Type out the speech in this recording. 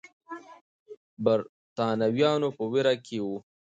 برتانويان په ویره کې وو.